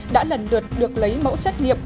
đã lần lượt được lấy mẫu xét nghiệp